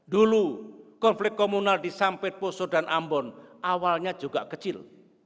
dulu konflik komunal di sampit poso dan ambon awalnya juga kecil